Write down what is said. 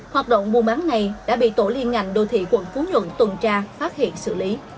hoạt động mua bán này đã bị tổ liên ngành đô thị quận phú nhuận tuần tra phát hiện xử lý